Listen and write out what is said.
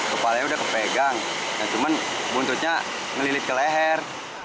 kepalanya udah kepegang cuman buntutnya ngelilit ke leher